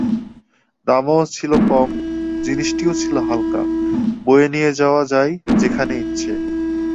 দামও ছিল কম, জিনিসটিও ছিল হালকা, বয়ে নিয়ে যাওয়া যায় যেখানে ইচ্ছে।